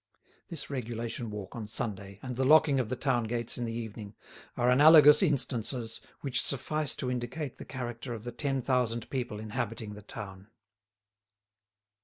This regulation walk on Sunday and the locking of the town gates in the evening are analogous instances which suffice to indicate the character of the ten thousand people inhabiting the town.